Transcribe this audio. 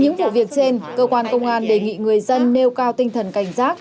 những vụ việc trên cơ quan công an đề nghị người dân nêu cao tinh thần cảnh giác